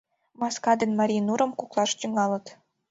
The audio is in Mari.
Маска ден марий нурым куклаш тӱҥалыт.